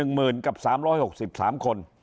หมื่นกับ๓๖๓คน